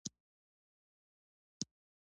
آیا د ویکادور کان پخوانی دی؟